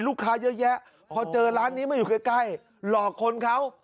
ลูกค้าเยอะแยะพอเจอร้านนี้มาอยู่ใกล้หลอกคนเขา